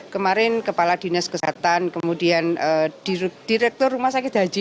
kemarin kepala dinas kesehatan kemudian direktur rumah sakit haji